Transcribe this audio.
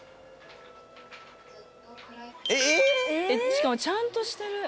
しかもちゃんとしてる。